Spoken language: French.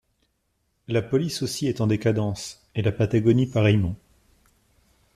La police aussi est en décadence… et la Patagonie pareillement…